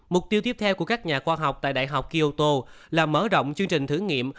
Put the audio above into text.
mục tiêu tiếp theo của các nhà khoa học tại đại học kyoto là mở rộng chương trình thử nghiệm